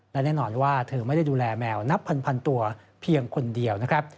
และแน่นอนว่าเธอไม่ได้ดูแลแมวนับพันตัวเพียงคนเดียวนะครับ